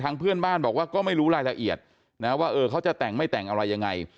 เพื่อนบ้านบอกว่าก็ไม่รู้รายละเอียดนะว่าเออเขาจะแต่งไม่แต่งอะไรยังไง